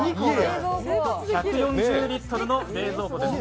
１４０リットルの冷蔵庫です。